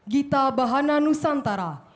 gita bahana nusantara